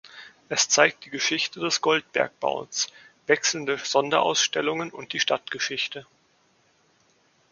Es zeigt die Geschichte des Goldbergbaus, wechselnde Sonderausstellungen und die Stadtgeschichte.